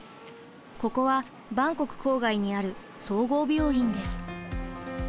ここはバンコク郊外にある総合病院です。